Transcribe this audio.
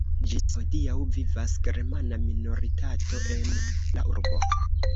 Ĝis hodiaŭ vivas germana minoritato en la urbo.